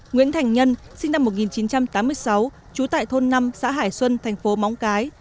nguyễn thành nhân sinh năm một nghìn chín trăm tám mươi sáu trú tại thôn năm xã hải xuân thành phố móng cái